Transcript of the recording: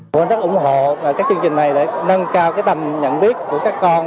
phụ huynh rất ủng hộ các chương trình này để nâng cao tầm nhận biết của các con